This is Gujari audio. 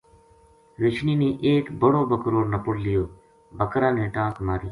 رچھنی نے ایک بڑو بکرو نپڑ لیو بکرا نے ٹانک ماری